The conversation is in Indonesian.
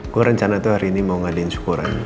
gue rencana tuh hari ini mau ngadiin syukuran